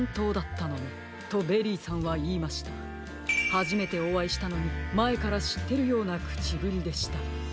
はじめておあいしたのにまえからしってるようなくちぶりでした。